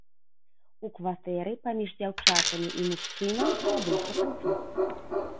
У кватэры паміж дзяўчатамі і мужчынам адбыўся канфлікт.